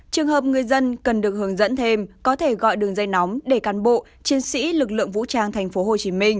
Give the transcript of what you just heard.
trường hợp người dân cần được hướng dẫn thêm có thể gọi đường dây nóng để cán bộ chiến sĩ lực lượng vũ trang thành phố hồ chí minh